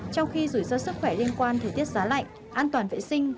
trong khi rủi ro sức khỏe liên quan thời tiết giá lạnh an toàn vệ sinh